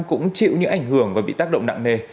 cũng chịu những ảnh hưởng và bị tác động nặng nề